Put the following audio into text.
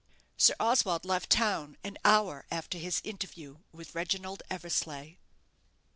Sir Oswald left town an hour after his interview with Reginald Eversleigh.